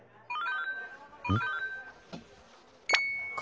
うん？